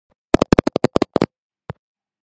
სწორედ ამ ცეკვებს ასრულებდნენ მეომრები ბრძოლის წინ.